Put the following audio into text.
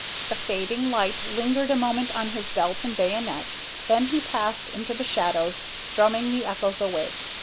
The fading light lingered a moment on his belt and bayonet, then he passed into the shadows, drumming the echoes awake.